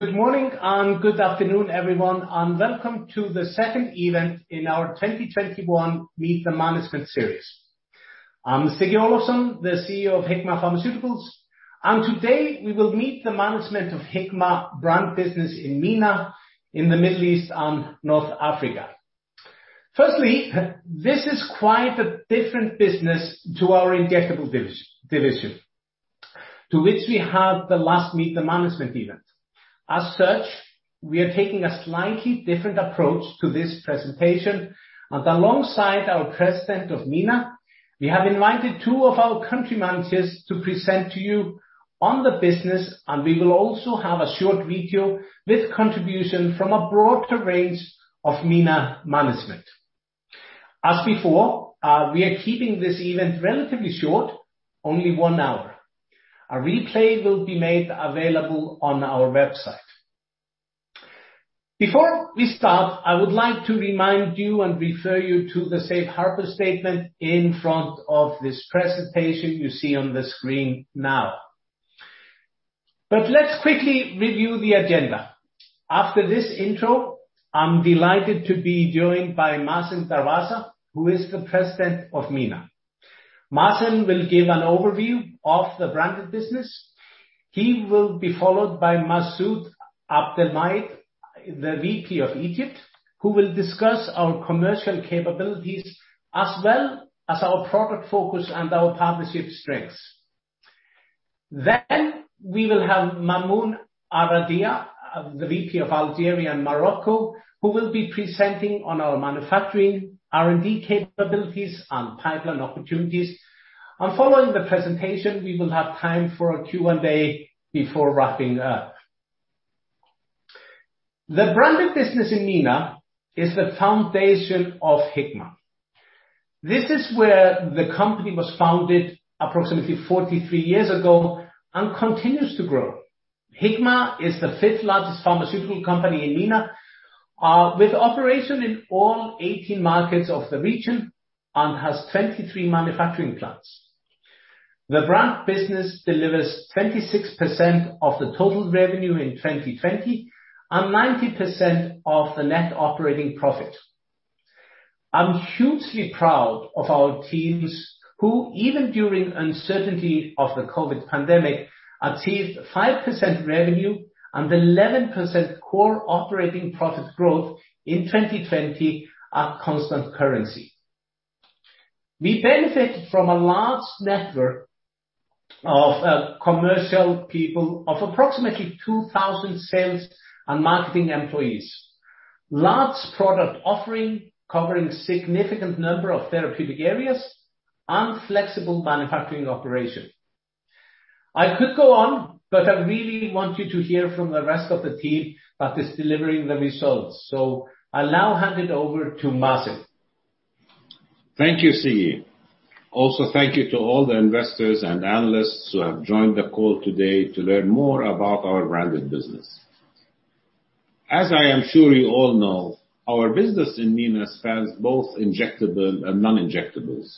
Good morning and good afternoon, everyone, and welcome to the second event in our 2021 Meet the Management series. I'm Siggi Olafsson, the CEO of Hikma Pharmaceuticals, and today, we will meet the management of Hikma Brand business in MENA, in the Middle East and North Africa. Firstly, this is quite a different business to our injectable division, to which we had the last Meet the Management event. As such, we are taking a slightly different approach to this presentation, and alongside our President of MENA, we have invited two of our country managers to present to you on the business, and we will also have a short video with contribution from a broader range of MENA management. As before, we are keeping this event relatively short, only 1 hour. A replay will be made available on our website. Before we start, I would like to remind you and refer you to the safe harbor statement in front of this presentation you see on the screen now. But let's quickly review the agenda. After this intro, I'm delighted to be joined by Mazen Darwazah, who is the President of MENA. Mazen will give an overview of the branded business. He will be followed by Masoud Abdelmajeed, the Vice President of Egypt, who will discuss our commercial capabilities as well as our product focus and our partnership strengths. Then, we will have Mamoun Al-Araida, the Vice President of Algeria and Morocco, who will be presenting on our manufacturing, R&D capabilities, and pipeline opportunities. And following the presentation, we will have time for a Q&A before wrapping up. The branded business in MENA is the foundation of Hikma. This is where the company was founded approximately 43 years ago and continues to grow. Hikma is the 5th largest pharmaceutical company in MENA, with operation in all 18 markets of the region and has 23 manufacturing plants. The brand business delivers 26% of the total revenue in 2020, and 90% of the net operating profit. I'm hugely proud of our teams, who, even during uncertainty of the COVID pandemic, achieved 5% revenue and 11% core operating profit growth in 2020 at constant currency. We benefited from a large network of commercial people of approximately 2,000 sales and marketing employees. Large product offering, covering significant number of therapeutic areas and flexible manufacturing operations. I could go on, but I really want you to hear from the rest of the team that is delivering the results. I'll now hand it over to Mazen. Thank you, Siggi. Also, thank you to all the investors and analysts who have joined the call today to learn more about our branded business. As I am sure you all know, our business in MENA spans both injectable and non-injectables,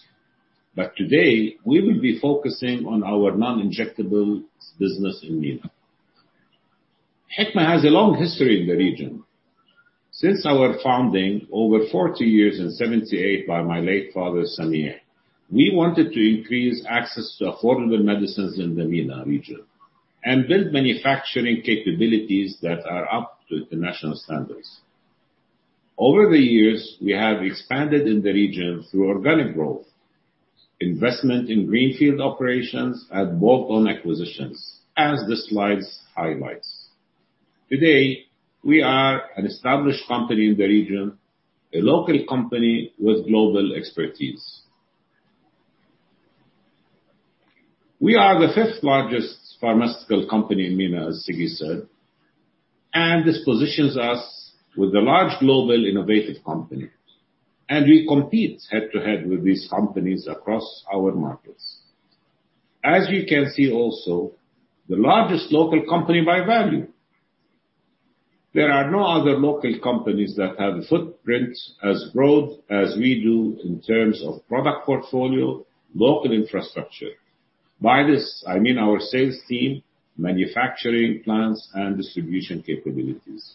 but today we will be focusing on our non-injectables business in MENA. Hikma has a long history in the region. Since our founding over 40 years in 1978 by my late father, Samih, we wanted to increase access to affordable medicines in the MENA region and build manufacturing capabilities that are up to international standards. Over the years, we have expanded in the region through organic growth, investment in greenfield operations, and bolt-on acquisitions, as the slides highlights. Today, we are an established company in the region, a local company with global expertise. We are the fifth largest pharmaceutical company in MENA, as Siggi said, and this positions us with a large global, innovative company, and we compete head-to-head with these companies across our markets. As you can see, also, the largest local company by value. There are no other local companies that have a footprint as broad as we do in terms of product portfolio, local infrastructure. By this, I mean our sales team, manufacturing, plants, and distribution capabilities.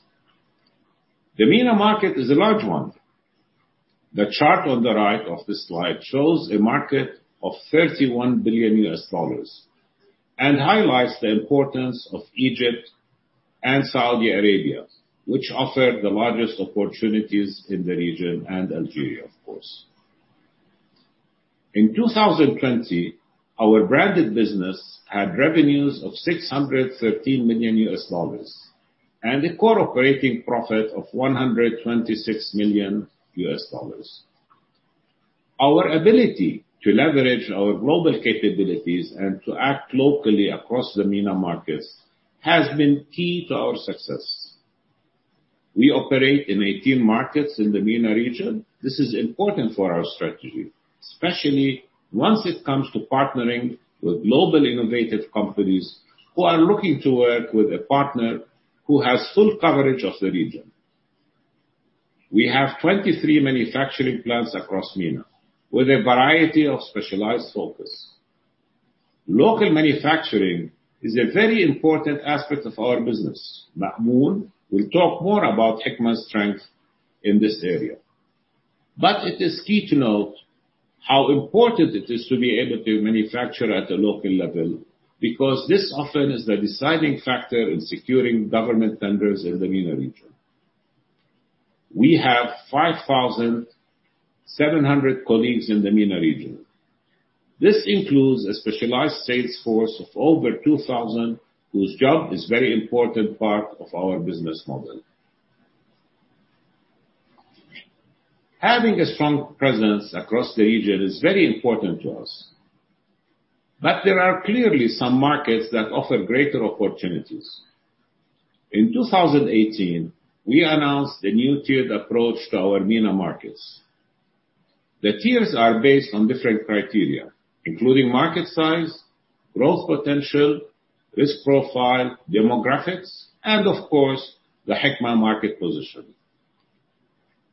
The MENA market is a large one. The chart on the right of this slide shows a market of $31 billion and highlights the importance of Egypt and Saudi Arabia, which offer the largest opportunities in the region, and Algeria, of course. In 2020, our branded business had revenues of $613 million, and a core operating profit of $126 million. Our ability to leverage our global capabilities and to act locally across the MENA markets has been key to our success. We operate in 18 markets in the MENA region. This is important for our strategy, especially once it comes to partnering with global innovative companies who are looking to work with a partner who has full coverage of the region.... We have 23 manufacturing plants across MENA, with a variety of specialized focus. Local manufacturing is a very important aspect of our business. Mamoun will talk more about Hikma's strength in this area. But it is key to note how important it is to be able to manufacture at the local level, because this often is the deciding factor in securing government tenders in the MENA region. We have 5,700 colleagues in the MENA region. This includes a specialized sales force of over 2,000, whose job is very important part of our business model. Having a strong presence across the region is very important to us, but there are clearly some markets that offer greater opportunities. In 2018, we announced a new tiered approach to our MENA markets. The tiers are based on different criteria, including market size, growth potential, risk profile, demographics, and of course, the Hikma market position.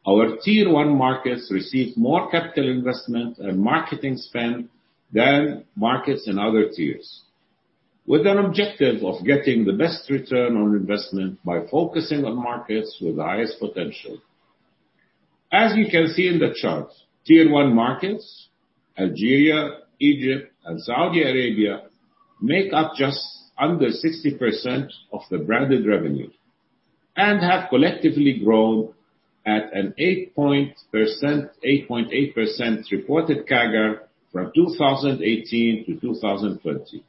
Our tier one markets receive more capital investment and marketing spend than markets in other tiers, with an objective of getting the best return on investment by focusing on markets with the highest potential. As you can see in the chart, tier one markets, Algeria, Egypt, and Saudi Arabia, make up just under 60% of the branded revenue, and have collectively grown at an 8.8% reported CAGR from 2018 to 2020.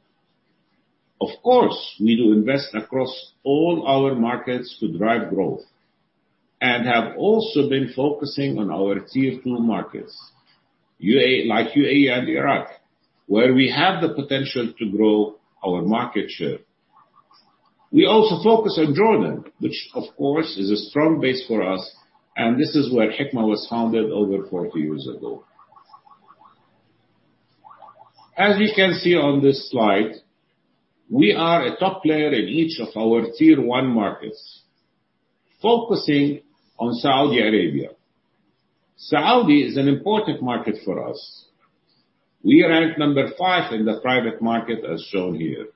Of course, we do invest across all our markets to drive growth, and have also been focusing on our tier two markets, UAE, like UAE and Iraq, where we have the potential to grow our market share. We also focus on Jordan, which of course, is a strong base for us, and this is where Hikma was founded over 40 years ago. As you can see on this slide, we are a top player in each of our tier one markets, focusing on Saudi Arabia. Saudi is an important market for us. We rank number 5 in the private market, as shown here.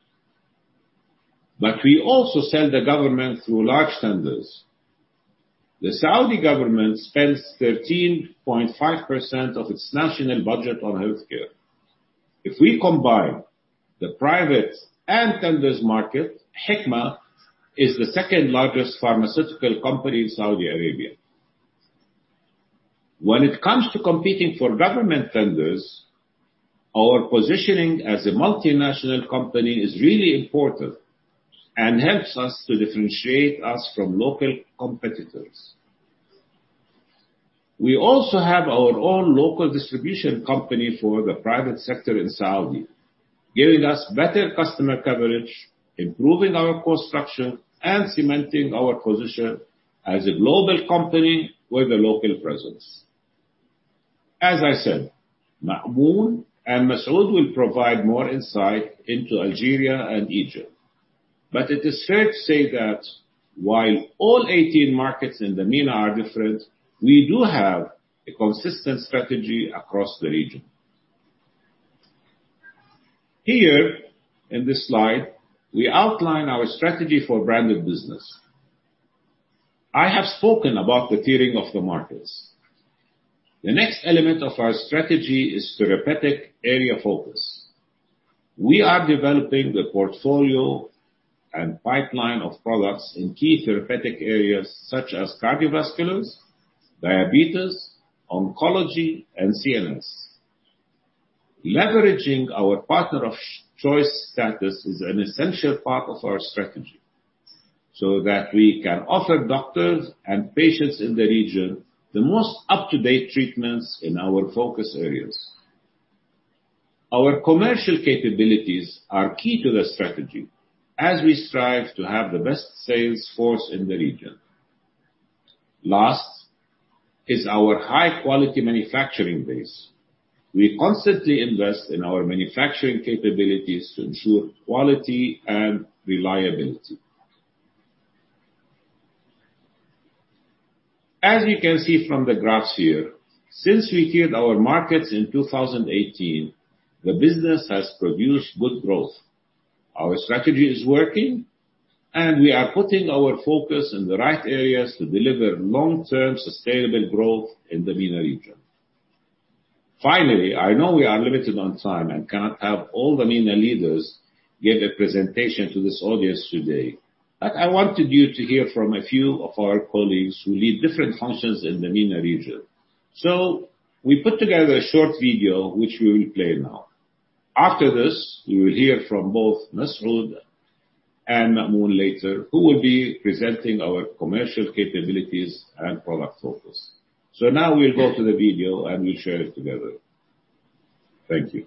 We also sell to the government through large tenders. The Saudi government spends 13.5% of its national budget on healthcare. If we combine the private and tenders market, Hikma is the second-largest pharmaceutical company in Saudi Arabia. When it comes to competing for government tenders, our positioning as a multinational company is really important and helps us to differentiate us from local competitors. We also have our own local distribution company for the private sector in Saudi, giving us better customer coverage, improving our cost structure, and cementing our position as a global company with a local presence. As I said, Mamoun and Masood will provide more insight into Algeria and Egypt, but it is fair to say that while all 18 markets in the MENA are different, we do have a consistent strategy across the region. Here, in this slide, we outline our strategy for branded business. I have spoken about the tiering of the markets. The next element of our strategy is therapeutic area focus. We are developing the portfolio and pipeline of products in key therapeutic areas such as cardiovasculars, diabetes, oncology, and CNS. Leveraging our partner of choice status is an essential part of our strategy, so that we can offer doctors and patients in the region the most up-to-date treatments in our focus areas. Our commercial capabilities are key to the strategy as we strive to have the best sales force in the region. Last, is our high-quality manufacturing base. We constantly invest in our manufacturing capabilities to ensure quality and reliability. As you can see from the graphs here, since we tiered our markets in 2018, the business has produced good growth. Our strategy is working, and we are putting our focus in the right areas to deliver long-term, sustainable growth in the MENA region. Finally, I know we are limited on time and cannot have all the MENA leaders give a presentation to this audience today, but I wanted you to hear from a few of our colleagues who lead different functions in the MENA region. So we put together a short video, which we will play now. After this, you will hear from both Masood and Mamoun later, who will be presenting our commercial capabilities and product focus. So now we'll go to the video, and we'll share it together. Thank you.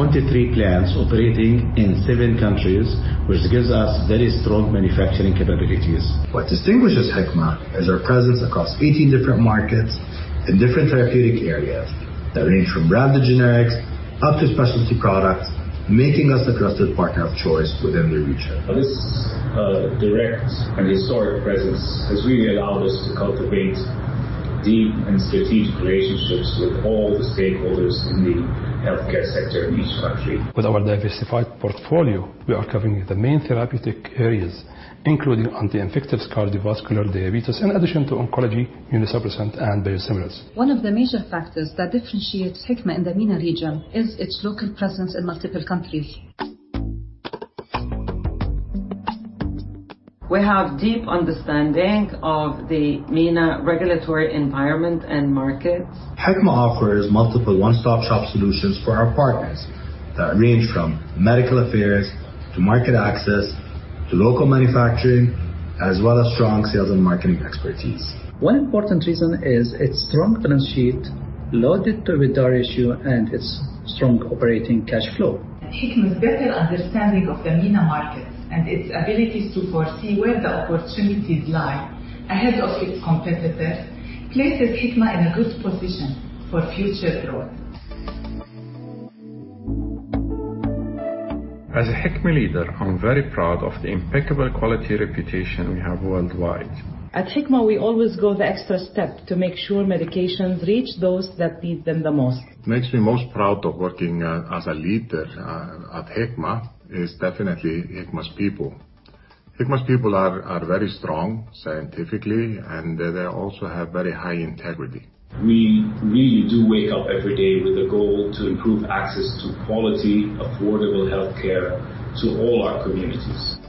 We have 23 plants operating in 7 countries, which gives us very strong manufacturing capabilities. What distinguishes Hikma is our presence across 18 different markets in different therapeutic areas that range from branded generics up to specialty products, making us a trusted partner of choice within the region. This direct and historic presence has really allowed us to cultivate deep and strategic relationships with all the stakeholders in the healthcare sector in each country. With our diversified portfolio, we are covering the main therapeutic areas, including on the infectives, cardiovascular, diabetes, in addition to oncology, immunosuppressant, and biosimilars. One of the major factors that differentiates Hikma in the MENA region is its local presence in multiple countries. We have deep understanding of the MENA regulatory environment and markets. Hikma offers multiple one-stop-shop solutions for our partners that range from medical affairs to market access, to local manufacturing, as well as strong sales and marketing expertise. One important reason is its strong balance sheet, low leverage and its strong operating cash flow. Hikma's better understanding of the MENA markets and its abilities to foresee where the opportunities lie ahead of its competitors places Hikma in a good position for future growth. As a Hikma leader, I'm very proud of the impeccable quality reputation we have worldwide. At Hikma, we always go the extra step to make sure medications reach those that need them the most. Makes me most proud of working as a leader at Hikma is definitely Hikma's people. Hikma's people are very strong scientifically, and they also have very high integrity. We really do wake up every day with a goal to improve access to quality, affordable healthcare to all our communities.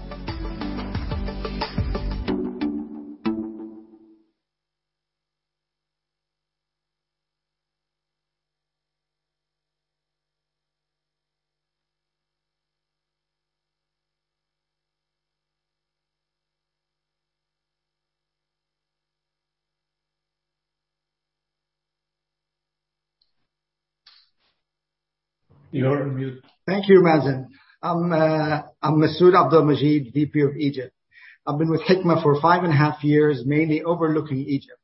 You are on mute. Thank you, Mazen. I'm Masood Abdelmajid, VP of Egypt. I've been with Hikma for 5.5 years, mainly overlooking Egypt,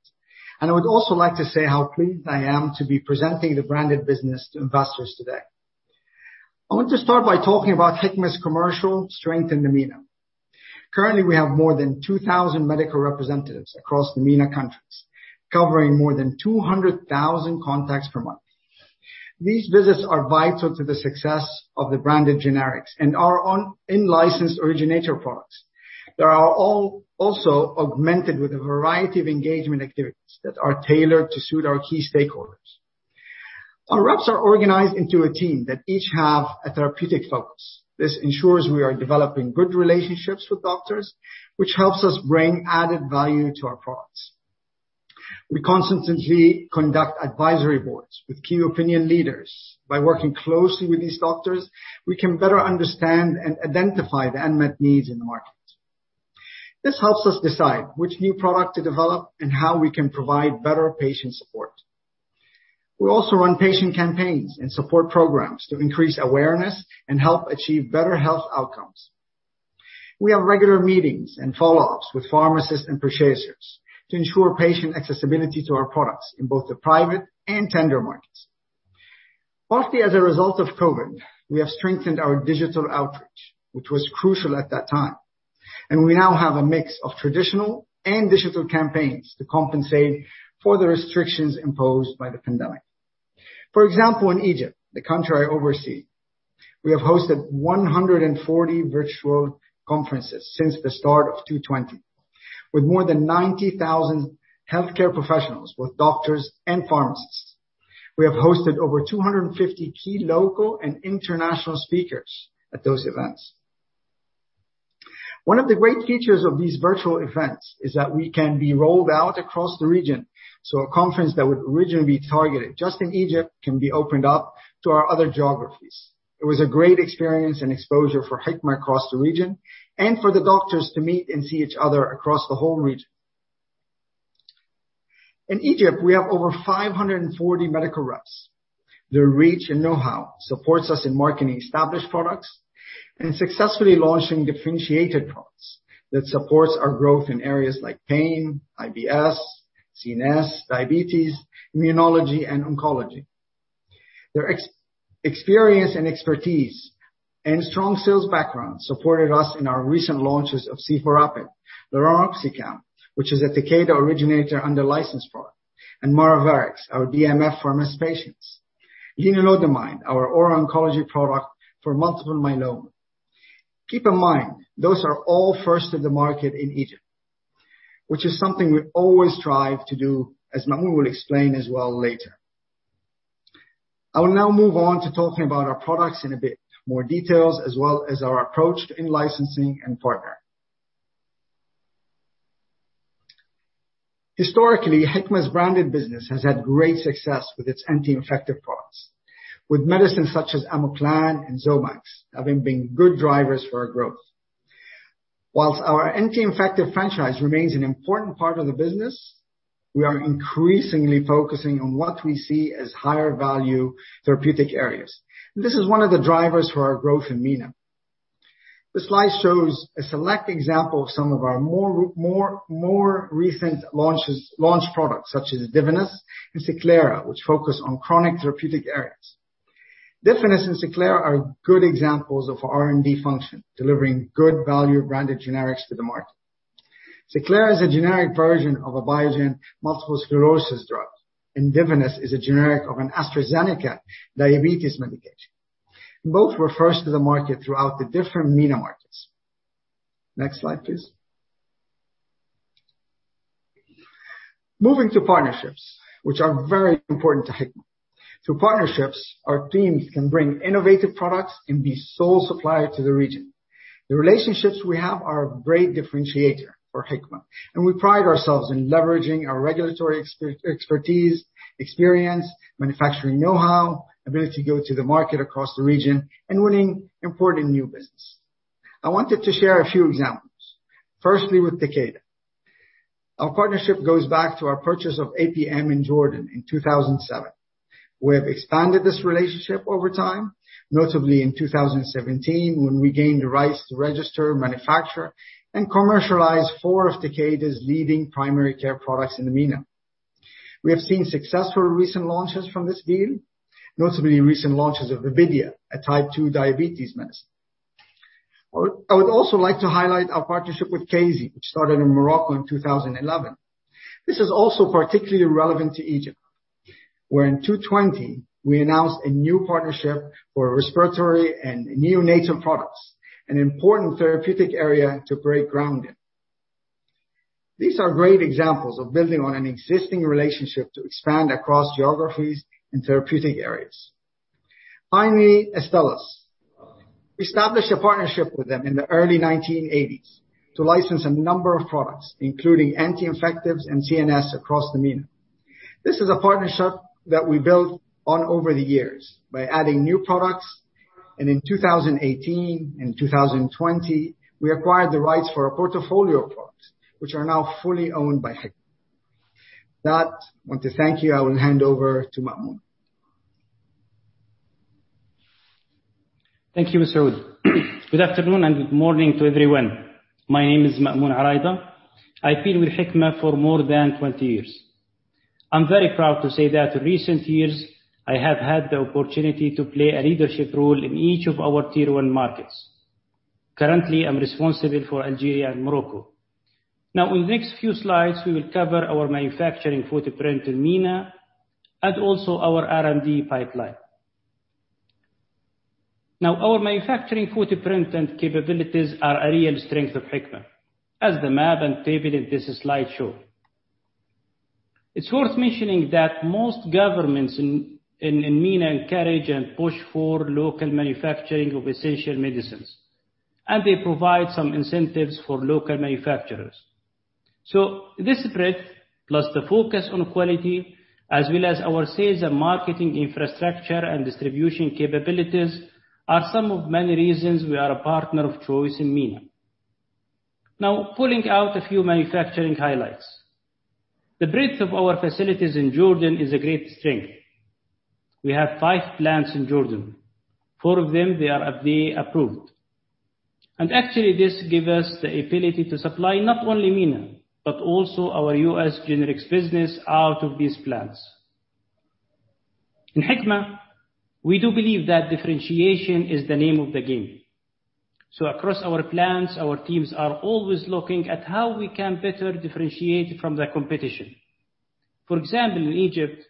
and I would also like to say how pleased I am to be presenting the branded business to investors today. I want to start by talking about Hikma's commercial strength in the MENA. Currently, we have more than 2,000 medical representatives across the MENA countries, covering more than 200,000 contacts per month. These visits are vital to the success of the branded generics and our in-licensed originator products. They are all also augmented with a variety of engagement activities that are tailored to suit our key stakeholders. Our reps are organized into a team that each have a therapeutic focus. This ensures we are developing good relationships with doctors, which helps us bring added value to our products. We constantly conduct advisory boards with key opinion leaders. By working closely with these doctors, we can better understand and identify the unmet needs in the market. This helps us decide which new product to develop and how we can provide better patient support. We also run patient campaigns and support programs to increase awareness and help achieve better health outcomes. We have regular meetings and follow-ups with pharmacists and purchasers to ensure patient accessibility to our products in both the private and tender markets. Partly, as a result of COVID, we have strengthened our digital outreach, which was crucial at that time, and we now have a mix of traditional and digital campaigns to compensate for the restrictions imposed by the pandemic. For example, in Egypt, the country I oversee, we have hosted 140 virtual conferences since the start of 2020, with more than 90,000 healthcare professionals, both doctors and pharmacists. We have hosted over 250 key local and international speakers at those events. One of the great features of these virtual events is that we can be rolled out across the region, so a conference that would originally be targeted just in Egypt, can be opened up to our other geographies. It was a great experience and exposure for Hikma across the region and for the doctors to meet and see each other across the whole region. In Egypt, we have over 540 medical reps. Their reach and know-how supports us in marketing established products and successfully launching differentiated products that supports our growth in areas like pain, IBS, CNS, diabetes, immunology, and oncology. Their experience and expertise and strong sales background supported us in our recent launches of Cefirapid, Lornoxicam, which is a Takeda originator under license product, and Miravas, our DMF for MS patients. Lenalidomide, our oral oncology product for multiple myeloma. Keep in mind, those are all first in the market in Egypt, which is something we always strive to do, as Mamoun will explain as well later. I will now move on to talking about our products in a bit more details, as well as our approach to in-licensing and partnering. Historically, Hikma's branded business has had great success with its anti-infective products, with medicines such as Amoclan and Zomax, having been good drivers for our growth. While our anti-infective franchise remains an important part of the business, we are increasingly focusing on what we see as higher value therapeutic areas. This is one of the drivers for our growth in MENA. This slide shows a select example of some of our more recent launches, products such as Diflucan and Skilara, which focus on chronic therapeutic areas. Diflucan and Skilara are good examples of our R&D function, delivering good value branded generics to the market. Skilara is a generic version of a Biogen multiple sclerosis drug, and Diflucan is a generic of an AstraZeneca diabetes medication. Both were first to the market throughout the different MENA markets. Next slide, please. Moving to partnerships, which are very important to Hikma. Through partnerships, our teams can bring innovative products and be sole supplier to the region. The relationships we have are a great differentiator for Hikma, and we pride ourselves in leveraging our regulatory expertise, experience, manufacturing know-how, ability to go to the market across the region, and winning important new business. I wanted to share a few examples. Firstly, with Takeda. Our partnership goes back to our purchase of APM in Jordan in 2007. We have expanded this relationship over time, notably in 2017, when we gained the rights to register, manufacture, and commercialize four of Takeda's leading primary care products in the MENA. We have seen successful recent launches from this deal, notably recent launches of Vipidia, a Type II diabetes medicine. I would also like to highlight our partnership with Chiesi, which started in Morocco in 2011. This is also particularly relevant to Egypt, where in 2020, we announced a new partnership for respiratory and neonatal products, an important therapeutic area to break ground in. These are great examples of building on an existing relationship to expand across geographies and therapeutic areas. Finally, Astellas. We established a partnership with them in the early 1980s to license a number of products, including anti-infectives and CNS, across the MENA. This is a partnership that we built on over the years by adding new products, and in 2018 and 2020, we acquired the rights for a portfolio of products which are now fully owned by Hikma. With that, I want to thank you. I will hand over to Mamoun. Thank you, Masood. Good afternoon and good morning to everyone. My name is Mamoun Al-Araida. I've been with Hikma for more than 20 years. I'm very proud to say that in recent years, I have had the opportunity to play a leadership role in each of our tier one markets. Currently, I'm responsible for Algeria and Morocco. Now, in the next few slides, we will cover our manufacturing footprint in MENA and also our R&D pipeline. Now, our manufacturing footprint and capabilities are a real strength of Hikma, as the map and table in this slide show. It's worth mentioning that most governments in MENA encourage and push for local manufacturing of essential medicines, and they provide some incentives for local manufacturers. So this spread, plus the focus on quality, as well as our sales and marketing infrastructure and distribution capabilities, are some of many reasons we are a partner of choice in MENA. Now, pulling out a few manufacturing highlights. The breadth of our facilities in Jordan is a great strength. We have five plants in Jordan. Four of them, they are FDA-approved. Actually, this give us the ability to supply not only MENA, but also our U.S. generics business out of these plants. In Hikma, we do believe that differentiation is the name of the game. So across our plants, our teams are always looking at how we can better differentiate from the competition. For example, in Egypt,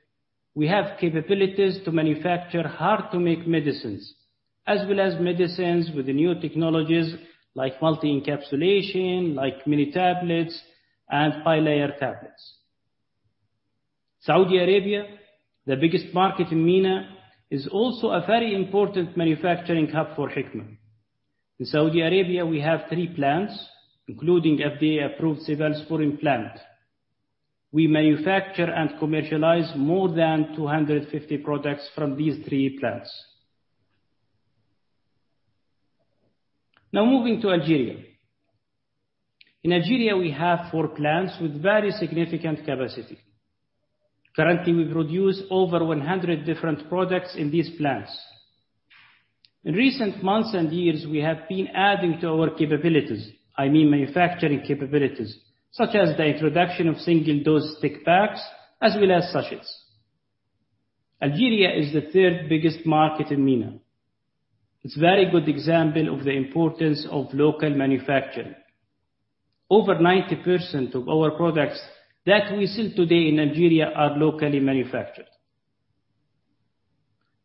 we have capabilities to manufacture hard-to-make medicines, as well as medicines with new technologies like multi-encapsulation, like mini tablets, and bilayer tablets. Saudi Arabia, the biggest market in MENA, is also a very important manufacturing hub for Hikma. In Saudi Arabia, we have three plants, including FDA-approved cephalosporin plant. We manufacture and commercialize more than 250 products from these three plants. Now, moving to Algeria. In Algeria, we have four plants with very significant capacity. Currently, we produce over 100 different products in these plants. In recent months and years, we have been adding to our capabilities, I mean, manufacturing capabilities, such as the introduction of single-dose stick packs, as well as sachets. Algeria is the third biggest market in MENA. It's very good example of the importance of local manufacturing. Over 90% of our products that we sell today in Algeria are locally manufactured.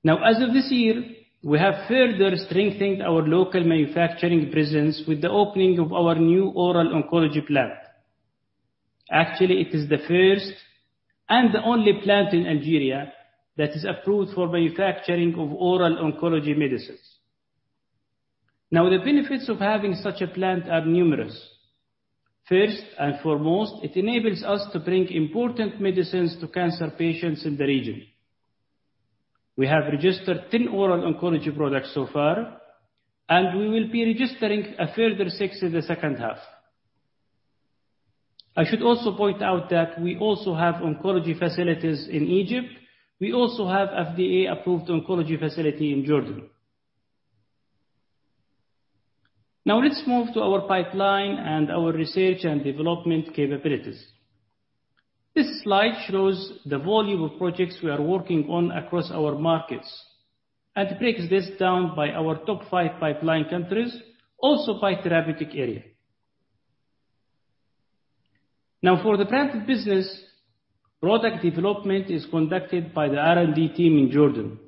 Now, as of this year, we have further strengthened our local manufacturing presence with the opening of our new oral oncology plant. Actually, it is the first and the only plant in Algeria that is approved for manufacturing of oral oncology medicines. Now, the benefits of having such a plant are numerous. First and foremost, it enables us to bring important medicines to cancer patients in the region. We have registered 10 oral oncology products so far, and we will be registering a further six in the second half. I should also point out that we also have oncology facilities in Egypt. We also have FDA-approved oncology facility in Jordan. Now, let's move to our pipeline and our research and development capabilities. This slide shows the volume of projects we are working on across our markets, and breaks this down by our top five pipeline countries, also by therapeutic area. Now, for the branded business, product development is conducted by the R&D team in Jordan,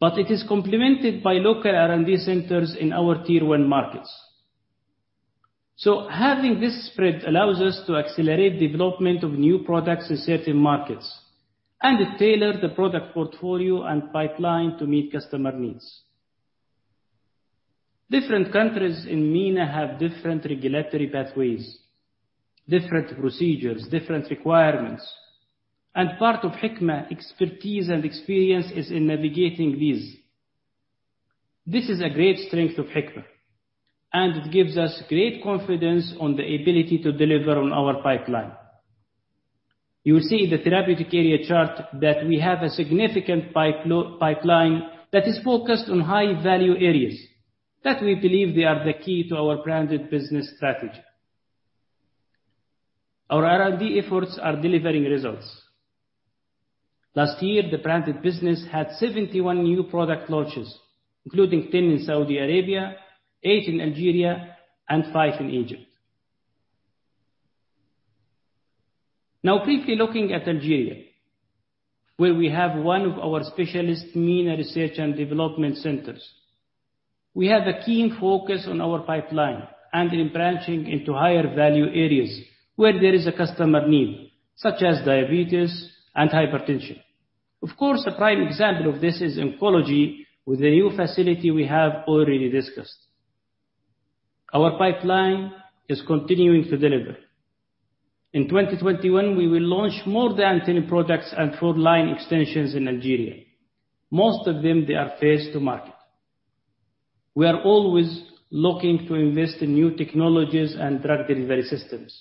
but it is complemented by local R&D centers in our tier one markets. So having this spread allows us to accelerate development of new products in certain markets and tailor the product portfolio and pipeline to meet customer needs. Different countries in MENA have different regulatory pathways, different procedures, different requirements, and part of Hikma expertise and experience is in navigating these. This is a great strength of Hikma, and it gives us great confidence on the ability to deliver on our pipeline. You will see in the therapeutic area chart that we have a significant pipeline that is focused on high value areas, that we believe they are the key to our branded business strategy. Our R&D efforts are delivering results. Last year, the branded business had 71 new product launches, including 10 in Saudi Arabia, 8 in Algeria, and 5 in Egypt. Now, quickly looking at Algeria, where we have one of our specialist MENA research and development centers. We have a keen focus on our pipeline and in branching into higher value areas where there is a customer need, such as diabetes and hypertension. Of course, a prime example of this is oncology, with the new facility we have already discussed. Our pipeline is continuing to deliver. In 2021, we will launch more than 10 products and 4 line extensions in Algeria. Most of them, they are first to market. We are always looking to invest in new technologies and drug delivery systems.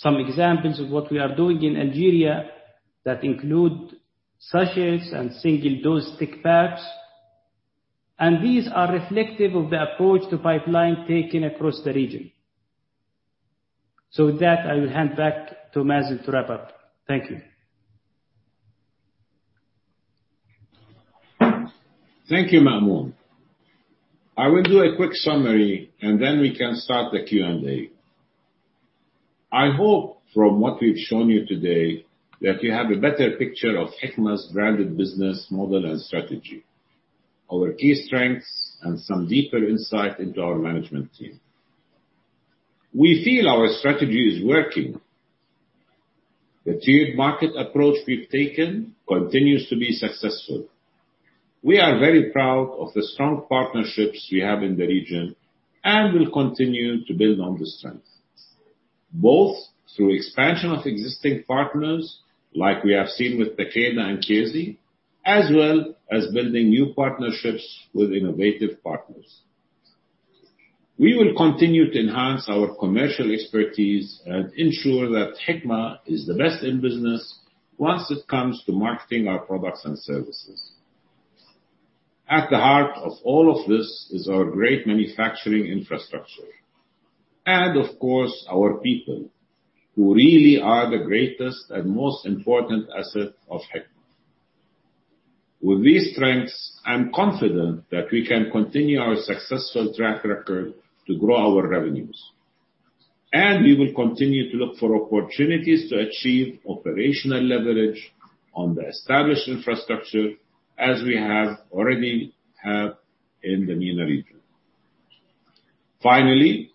Some examples of what we are doing in Algeria that include sachets and single-dose stick packs, and these are reflective of the approach to pipeline taking across the region. With that, I will hand back to Mazen to wrap up. Thank you. Thank you, Mamoun. I will do a quick summary, and then we can start the Q&A. I hope from what we've shown you today, that you have a better picture of Hikma's branded business model and strategy, our key strengths, and some deeper insight into our management team. We feel our strategy is working. The tiered market approach we've taken continues to be successful. We are very proud of the strong partnerships we have in the region and will continue to build on the strengths, both through expansion of existing partners, like we have seen with Takeda and Chiesi, as well as building new partnerships with innovative partners. We will continue to enhance our commercial expertise and ensure that Hikma is the best in business when it comes to marketing our products and services. At the heart of all of this is our great manufacturing infrastructure, and of course, our people, who really are the greatest and most important asset of Hikma. With these strengths, I'm confident that we can continue our successful track record to grow our revenues, and we will continue to look for opportunities to achieve operational leverage on the established infrastructure, as we already have in the MENA region. Finally,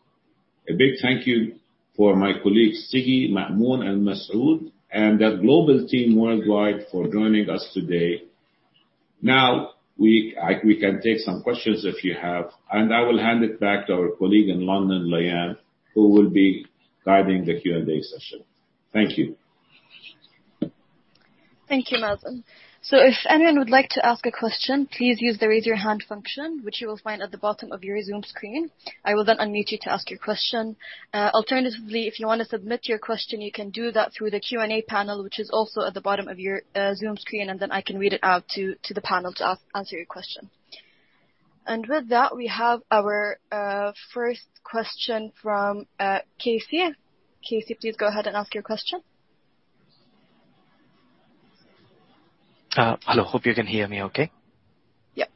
a big thank you to my colleagues, Siggi, Mamoun, and Masood, and the global team worldwide for joining us today. Now, we... We can take some questions if you have, and I will hand it back to our colleague in London, Layan, who will be guiding the Q&A session. Thank you. Thank you, Mazen. So if anyone would like to ask a question, please use the Raise Your Hand function, which you will find at the bottom of your Zoom screen. I will then unmute you to ask your question. Alternatively, if you want to submit your question, you can do that through the Q&A panel, which is also at the bottom of your Zoom screen, and then I can read it out to the panel to answer your question. And with that, we have our first question from Casey. Casey, please go ahead and ask your question. Hello. Hope you can hear me okay? Yep.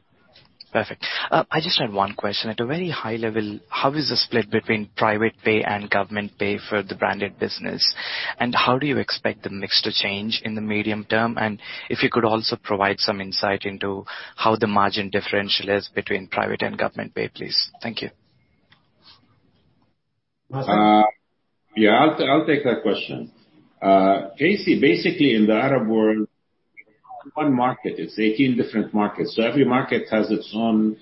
Perfect. I just had one question. At a very high level, how is the split between private pay and government pay for the branded business? And how do you expect the mix to change in the medium term? And if you could also provide some insight into how the margin differential is between private and government pay, please. Thank you. Yeah, I'll take that question. Casey, basically, in the Arab world, one market, it's 18 different markets, so every market has its own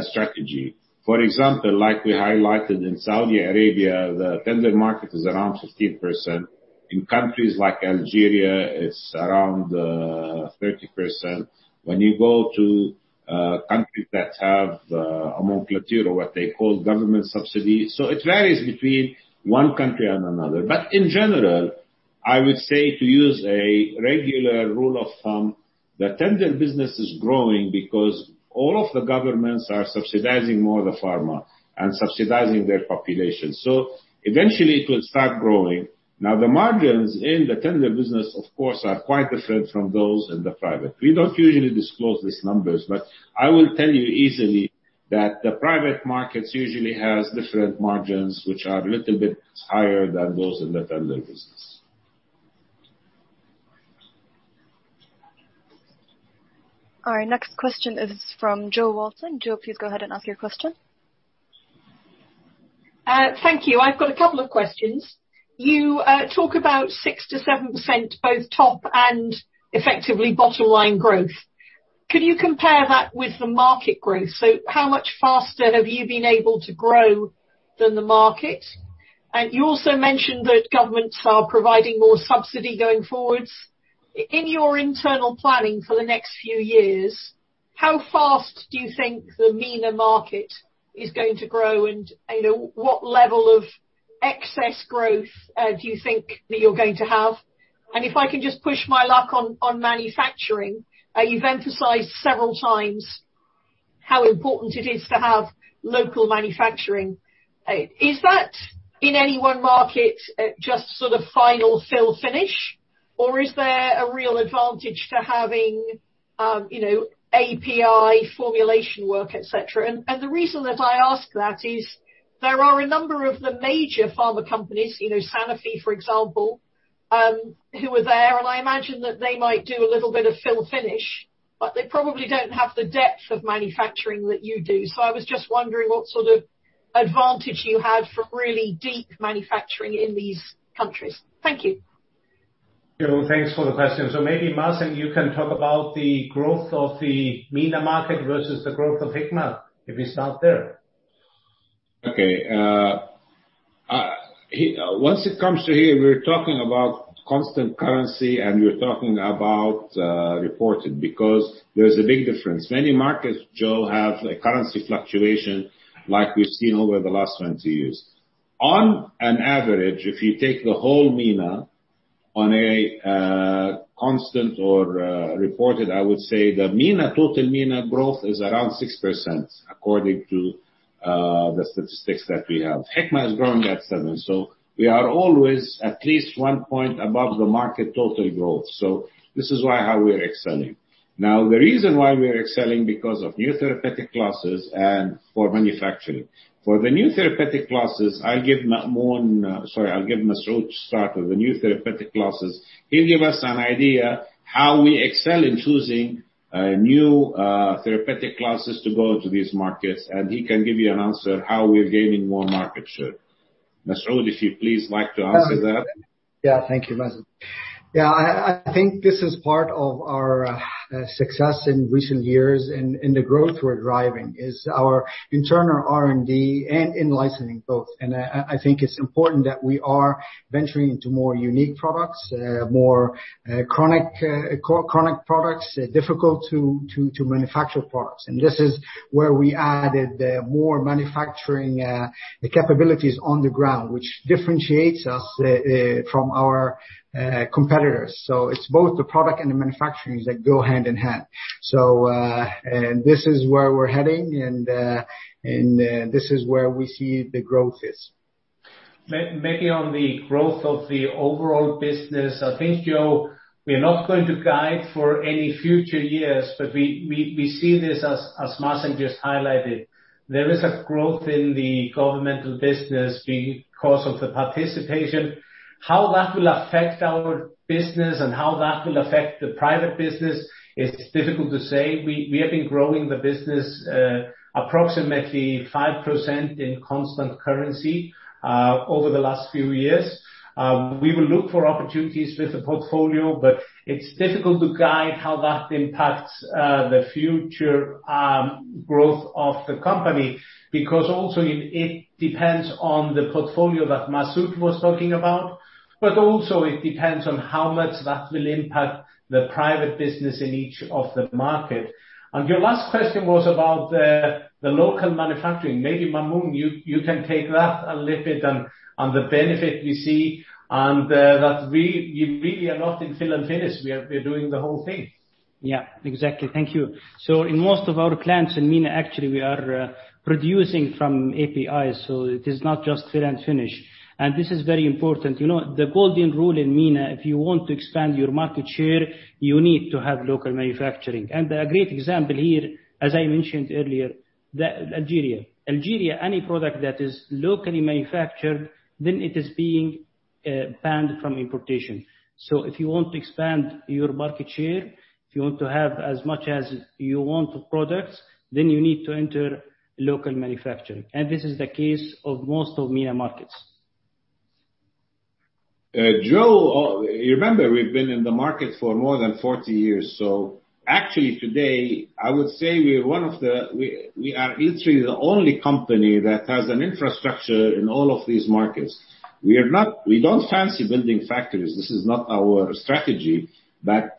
strategy. For example, like we highlighted in Saudi Arabia, the tender market is around 15%... in countries like Algeria, it's around 30%. When you go to countries that have immaterial what they call government subsidies. So it varies between one country and another. But in general, I would say to use a regular rule of thumb, the tender business is growing because all of the governments are subsidizing more of the pharma and subsidizing their population. So eventually it will start growing. Now, the margins in the tender business, of course, are quite different from those in the private. We don't usually disclose these numbers, but I will tell you easily that the private markets usually has different margins, which are a little bit higher than those in the tender business. All right, next question is from Jo Walton. Jo, please go ahead and ask your question. Thank you. I've got a couple of questions. You talk about 6%-7%, both top and effectively bottom line growth. Could you compare that with the market growth? So how much faster have you been able to grow than the market? And you also mentioned that governments are providing more subsidy going forwards. In your internal planning for the next few years, how fast do you think the MENA market is going to grow? And, you know, what level of excess growth do you think that you're going to have? And if I can just push my luck on manufacturing, you've emphasized several times how important it is to have local manufacturing. Is that in any one market just sort of final fill finish, or is there a real advantage to having, you know, API formulation work, et cetera? The reason that I ask that is there are a number of the major pharma companies, you know, Sanofi, for example, who are there, and I imagine that they might do a little bit of fill finish, but they probably don't have the depth of manufacturing that you do. So I was just wondering what sort of advantage you had from really deep manufacturing in these countries. Thank you. Jo, thanks for the question. So maybe, Mazen, you can talk about the growth of the MENA market versus the growth of Hikma, if we start there. Okay, once it comes to here, we're talking about constant currency, and we're talking about reported, because there's a big difference. Many markets, Jo, have a currency fluctuation like we've seen over the last 20 years. On average, if you take the whole MENA on a constant or reported, I would say the MENA, total MENA growth is around 6%, according to the statistics that we have. Hikma has grown at 7%, so we are always at least one point above the market total growth. So this is why, how we are excelling. Now, the reason why we are excelling, because of new therapeutic classes and for manufacturing. For the new therapeutic classes, I'll give Mamoun. Sorry, I'll give Masood start with the new therapeutic classes. He'll give us an idea how we excel in choosing new therapeutic classes to go to these markets, and he can give you an answer how we're gaining more market share. Masood, if you please like to answer that. Yeah. Thank you, Mazen. Yeah, I think this is part of our success in recent years and the growth we're driving is our internal R&D and in licensing, both. And I think it's important that we are venturing into more unique products, more chronic, co-chronic products, difficult to manufacture products. And this is where we added the more manufacturing capabilities on the ground, which differentiates us from our competitors. So it's both the product and the manufacturing that go hand in hand. So, and this is where we're heading, and this is where we see the growth is. Maybe on the growth of the overall business, I think, Jo, we're not going to guide for any future years, but we see this as Mazen just highlighted. There is a growth in the governmental business because of the participation. How that will affect our business and how that will affect the private business, it's difficult to say. We have been growing the business approximately 5% in constant currency over the last few years. We will look for opportunities with the portfolio, but it's difficult to guide how that impacts the future growth of the company, because also it depends on the portfolio that Masood was talking about, but also it depends on how much that will impact the private business in each of the market. And your last question was about the local manufacturing. Maybe, Mamoun, you can take that a little bit and the benefit we see, and that we really are not in fill and finish. We are doing the whole thing. Yeah, exactly. Thank you. So in most of our plants in MENA, actually, we are producing from APIs, so it is not just fill and finish. And this is very important. You know, the golden rule in MENA, if you want to expand your market share, you need to have local manufacturing. And a great example here, as I mentioned earlier, the Algeria. Algeria, any product that is locally manufactured, then it is being banned from importation. So if you want to expand your market share, if you want to have as much as you want products, then you need to enter local manufacturing. And this is the case of most of MENA markets. ... Jo, you remember we've been in the market for more than 40 years, so actually today, I would say we're one of the-- we are literally the only company that has an infrastructure in all of these markets. We are not-- we don't fancy building factories. This is not our strategy, but,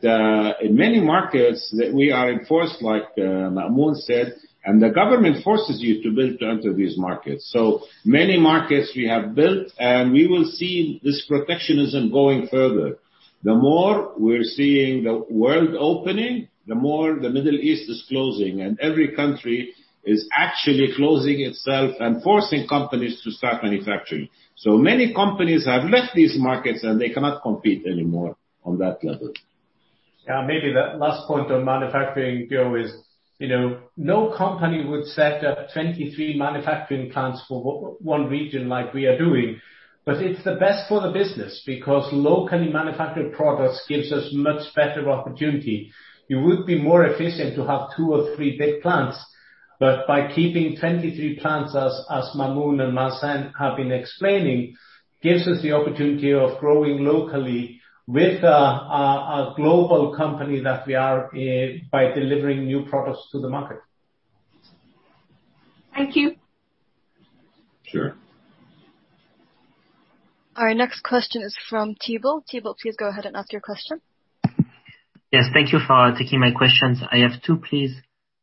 in many markets that we are enforced, like, Mamoun said, and the government forces you to build to enter these markets. So many markets we have built, and we will see this protectionism going further. The more we're seeing the world opening, the more the Middle East is closing, and every country is actually closing itself and forcing companies to start manufacturing. So many companies have left these markets, and they cannot compete anymore on that level. Yeah, maybe the last point on manufacturing, Jo, is, you know, no company would set up 23 manufacturing plants for one region like we are doing. But it's the best for the business, because locally manufactured products gives us much better opportunity. It would be more efficient to have two or three big plants, but by keeping 23 plants, as Mamoun and Mazen have been explaining, gives us the opportunity of growing locally with a global company that we are, by delivering new products to the market. Thank you! Sure. Our next question is from Thibault. Thibault, please go ahead and ask your question. Yes, thank you for taking my questions. I have two, please.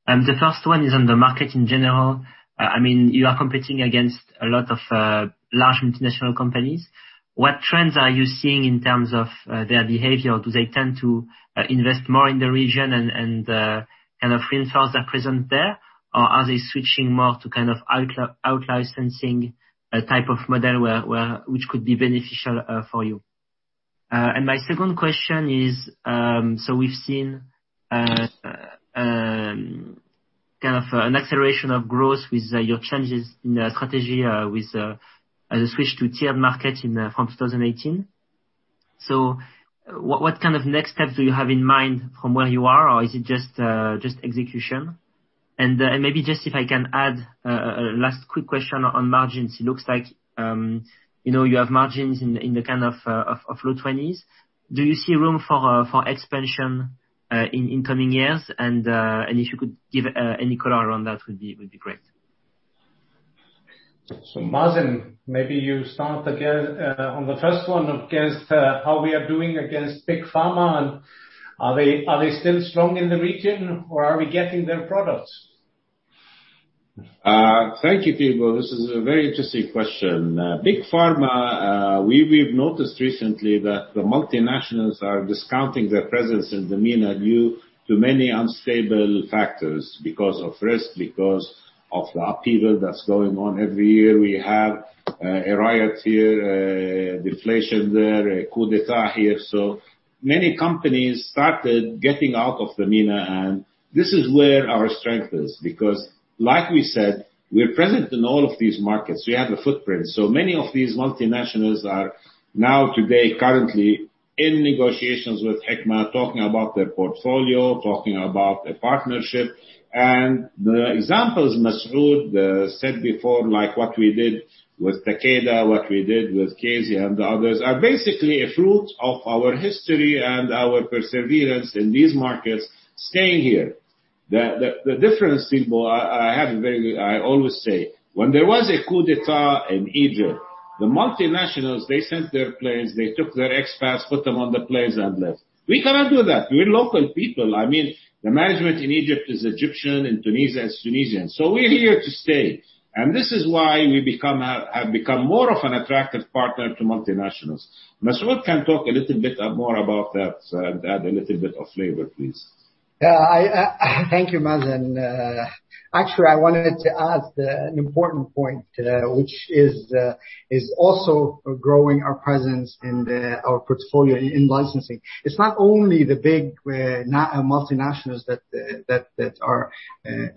The first one is on the market in general. I mean, you are competing against a lot of large international companies. What trends are you seeing in terms of their behavior? Do they tend to invest more in the region and kind of reinforce their presence there? Or are they switching more to kind of out-licensing, a type of model where which could be beneficial for you? And my second question is, so we've seen kind of an acceleration of growth with your changes in the strategy, with as a switch to tiered market in from 2018. So what kind of next steps do you have in mind from where you are, or is it just execution? And maybe just if I can add a last quick question on margins. It looks like, you know, you have margins in the kind of low twenties. Do you see room for expansion in coming years? And if you could give any color around that would be great. So, Mazen, maybe you start again on the first one, against how we are doing against Big Pharma, and are they, are they still strong in the region, or are we getting their products? Thank you, Thibault. This is a very interesting question. Big Pharma, we, we've noticed recently that the multinationals are discounting their presence in the MENA due to many unstable factors, because of risk, because of the upheaval that's going on. Every year, we have a riot here, deflation there, a coup d'état here. So many companies started getting out of the MENA, and this is where our strength is. Because, like we said, we're present in all of these markets. We have a footprint. So many of these multinationals are now today, currently in negotiations with Hikma, talking about their portfolio, talking about a partnership. And the examples Masood said before, like what we did with Takeda, what we did with Chiesi and the others, are basically a fruit of our history and our perseverance in these markets staying here. The difference, people, I have a very good... I always say, when there was a coup d'état in Egypt, the multinationals, they sent their planes, they took their expats, put them on the planes and left. We cannot do that. We're local people. I mean, the management in Egypt is Egyptian, in Tunisia, it's Tunisian. So we're here to stay. And this is why we have become more of an attractive partner to multinationals. Masood can talk a little bit more about that and add a little bit of flavor, please. Yeah, I thank you, Mazen. Actually, I wanted to add an important point, which is also growing our presence in our portfolio in licensing. It's not only the big multinationals that are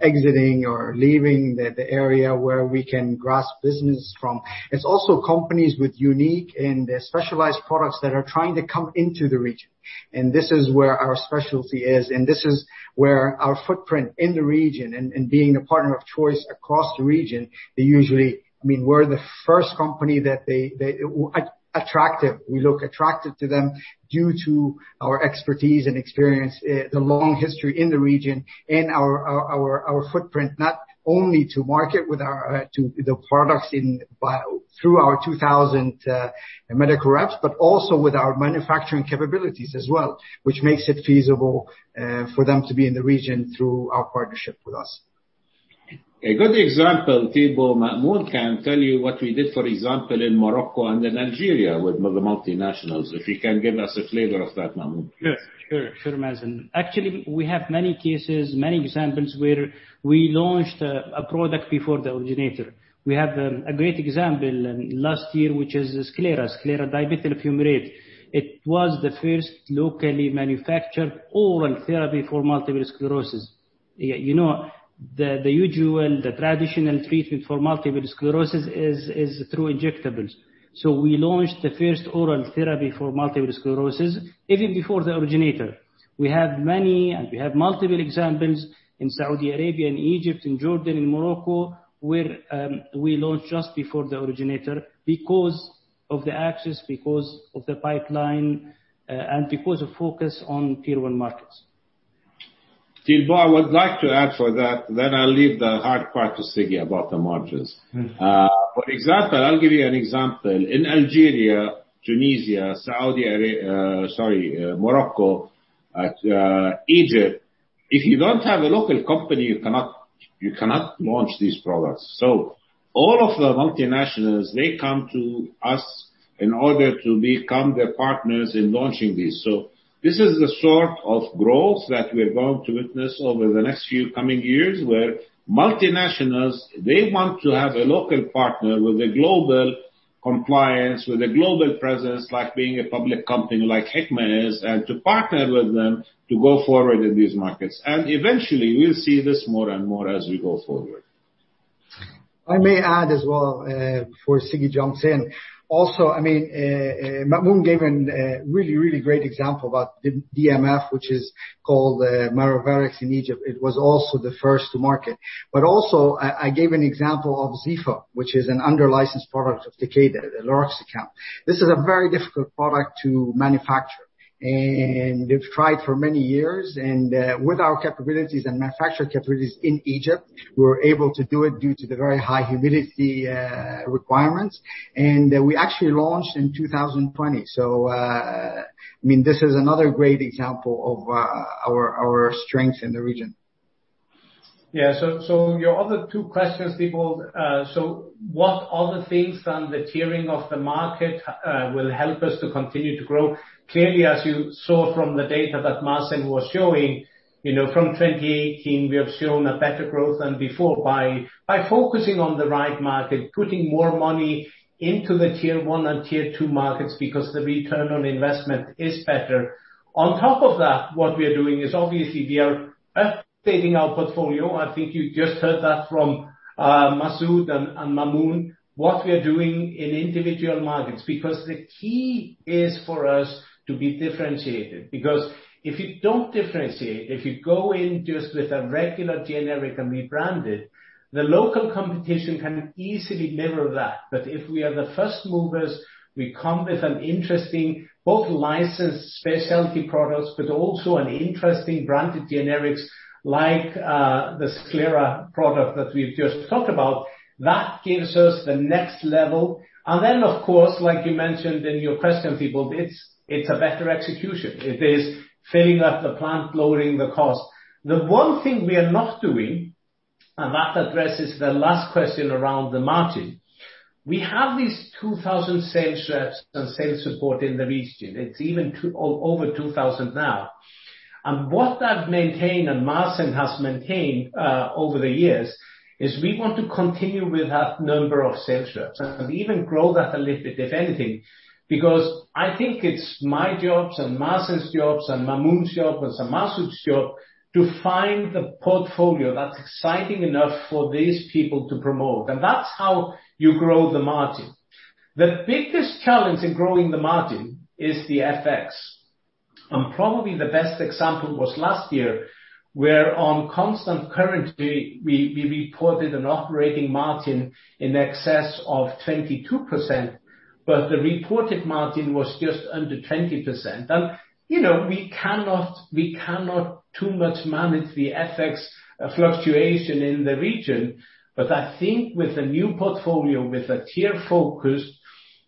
exiting or leaving the area where we can grasp business from. It's also companies with unique and specialized products that are trying to come into the region, and this is where our specialty is, and this is where our footprint in the region and being a partner of choice across the region, they usually—I mean, we're the first company that they... We look attractive to them due to our expertise and experience, the long history in the region and our footprint, not only to market with our to the products in through our 2000 medical reps, but also with our manufacturing capabilities as well, which makes it feasible for them to be in the region through our partnership with us. A good example, Thibault. Mamoun can tell you what we did, for example, in Morocco and in Algeria with the multinationals. If you can give us a flavor of that, Mamoun. Sure. Sure, sure, Mazen. Actually, we have many cases, many examples where we launched a product before the originator. We have a great example last year, which is the Skilara, dimethyl fumarate. It was the first locally manufactured oral therapy for multiple sclerosis. You know, the usual, the traditional treatment for multiple sclerosis is through injectables. So we launched the first oral therapy for multiple sclerosis even before the originator.... We have many, and we have multiple examples in Saudi Arabia, in Egypt, in Jordan, in Morocco, where we launched just before the originator because of the access, because of the pipeline, and because of focus on tier one markets. People, I would like to add for that, then I'll leave the hard part to Siggy about the margins. For example, I'll give you an example. In Algeria, Tunisia, sorry, Morocco, Egypt, if you don't have a local company, you cannot, you cannot launch these products. So all of the multinationals, they come to us in order to become their partners in launching these. So this is the sort of growth that we're going to witness over the next few coming years, where multinationals, they want to have a local partner with a global compliance, with a global presence, like being a public company like Hikma is, and to partner with them to go forward in these markets. And eventually, we'll see this more and more as we go forward. I may add as well, before Siggi jumps in. Also, I mean, Mamoun gave an, really, really great example about the DMF, which is called, Miravas in Egypt. It was also the first to market. But also, I, I gave an example of Xefo, which is an under licensed product of Takeda, Lornoxicam. This is a very difficult product to manufacture, and they've tried for many years. With our capabilities and manufacture capabilities in Egypt, we were able to do it due to the very high humidity, requirements. We actually launched in 2020. I mean, this is another great example of, our, our strengths in the region. Yeah, so, so your other two questions, people, so what are the things from the tiering of the market will help us to continue to grow? Clearly, as you saw from the data that Mazen was showing, you know, from 2018, we have shown a better growth than before by focusing on the right market, putting more money into the tier one and tier two markets, because the return on investment is better. On top of that, what we are doing is, obviously, we are updating our portfolio. I think you just heard that from Masood and Mamoun, what we are doing in individual markets. Because the key is for us to be differentiated, because if you don't differentiate, if you go in just with a regular generic and rebranded, the local competition can easily mirror that. But if we are the first movers, we come with an interesting, both licensed specialty products, but also an interesting branded generics like, the Skilara product that we've just talked about. That gives us the next level. And then, of course, like you mentioned in your question, people, it's, it's a better execution. It is filling up the plant, lowering the cost. The one thing we are not doing, and that addresses the last question around the margin, we have these 2,000 sales reps and sales support in the region. It's even over 2,000 now. And what I've maintained, and Mazen has maintained, over the years, is we want to continue with that number of sales reps and even grow that a little bit, if anything. Because I think it's my jobs, and Mohsen's jobs, and Mamoun's job, and Masood's job, to find the portfolio that's exciting enough for these people to promote. And that's how you grow the margin. The biggest challenge in growing the margin is the FX. And probably the best example was last year, where on constant currency, we reported an operating margin in excess of 22%, but the reported margin was just under 20%. And, you know, we cannot, we cannot too much manage the FX fluctuation in the region. But I think with the new portfolio, with a tier focus,